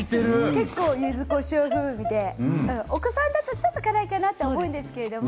結構ゆずこしょう風味でお子さんだと、ちょっと辛いかなと思うんですけれども。